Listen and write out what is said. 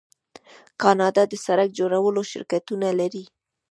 کاناډا د سړک جوړولو شرکتونه لري.